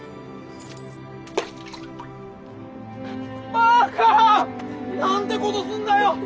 バカ！なんてことすんだよ！